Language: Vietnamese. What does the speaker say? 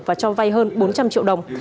và cho vai hơn bốn trăm linh triệu đồng